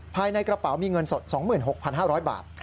ภายในกระเป๋ามีเงินสด๒๖๕๐๐บาท